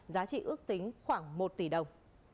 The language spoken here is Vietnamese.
giá trị ước tính khoảng một tỷ đồng